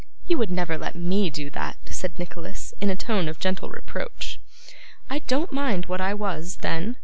'You would never let ME do that,' said Nicholas in a tone of gentle reproach. 'I didn't mind what I was, then.